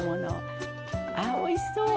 ああおいしそう！